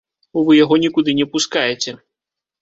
Вы яго нікуды не пускаеце.